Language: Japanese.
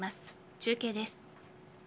中継です。